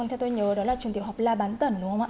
vâng theo tôi nhớ đó là trường tiểu học la bán tẩn đúng không ạ